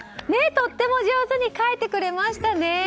とっても上手に描いてくれましたね！